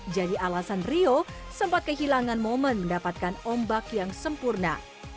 jadi alasan rio sempat kehilangan momen mendapatkan ombak yang sempurna